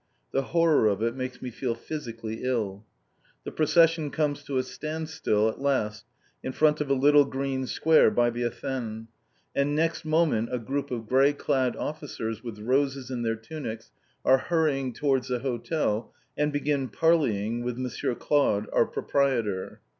The horror of it makes me feel physically ill. The procession comes to a standstill at last in front of a little green square by the Athene, and next moment a group of grey clad officers with roses in their tunics are hurrying towards the hotel, and begin parleying with Monsieur Claude, our proprietor.